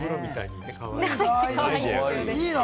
いいな！